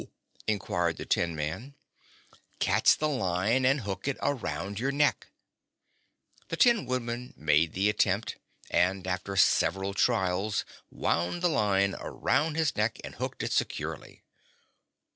inquired the tin man. "Catch the line and hook it around your neck." The Tin Woodman made the attempt and after several trials wound the line around his neck and hooked it securely.